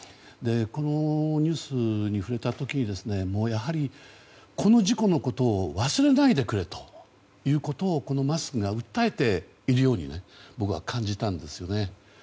このニュースに触れた時にやはりこの事故のことを忘れないでくれということをこのマスクが訴えているように僕は感じたんですよね。